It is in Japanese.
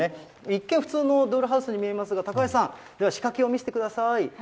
一見、普通のドールハウスに見えますが、高橋さん、では仕掛けを見せてください。